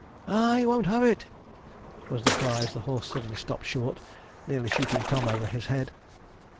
'Ah! he won't have it!' was the cry, as the horse suddenly stopped short, nearly shooting Tom over his head.